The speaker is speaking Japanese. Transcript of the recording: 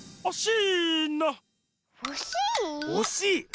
おしい？